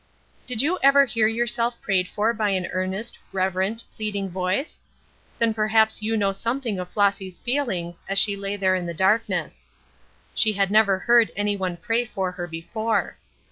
Did you ever hear yourself prayed for by an earnest, reverent, pleading voice? Then perhaps you know something of Flossy's feelings as she lay there in the darkness. She had never heard any one pray for her before.